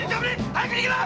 早く逃げろ！